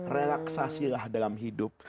relaksasilah dalam hidup